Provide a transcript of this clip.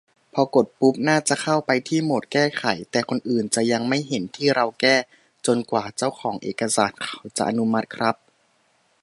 พอกดปุ๊บ น่าจะเข้าไปที่โหมดแก้ไข แต่คนอื่นจะยังไม่เห็นที่เราแก้ จนกว่าเจ้าของเอกสารเขาจะอนุมัติครับ